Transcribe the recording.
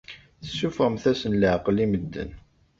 Tessuffɣemt-asen leɛqel i medden.